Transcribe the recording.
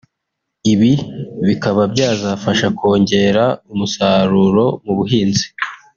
ibi bikaba byazafasha kongera umusaruro mu buhinzi